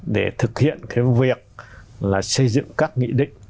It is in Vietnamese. để thực hiện cái việc là xây dựng các nghị định